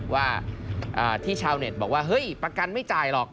ว่าที่ชาวเน็ตบอกว่าเฮ้ยประกันไม่จ่ายหรอก